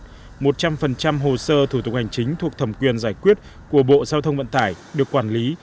một trăm linh hồ sơ thủ tục hành chính thuộc thẩm quyền giải quyết của bộ giao thông vận tải được quản lý